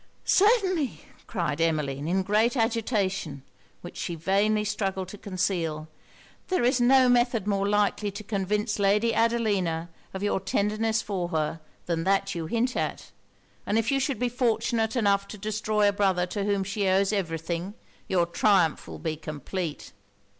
'Certainly,' cried Emmeline, in great agitation, which she vainly struggled to conceal, 'there is no method more likely to convince Lady Adelina of your tenderness for her, than that you hint at; and if you should be fortunate enough to destroy a brother to whom she owes every thing, your triumph will be complete.'